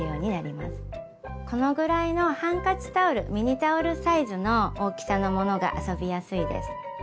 このぐらいのハンカチタオルミニタオルサイズの大きさのものが遊びやすいです。